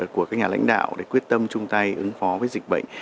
của các nhà lãnh đạo để quyết tâm chung tay ứng phó với dịch bệnh